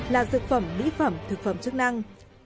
là dược phẩm mỹ phẩm thực phẩm chức năng